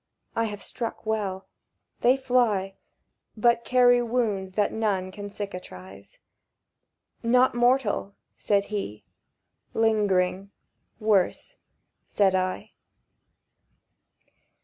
"I have struck well. They fly, But carry wounds that none can cicatrize." —"Not mortal?" said he. "Lingering—worse," said I.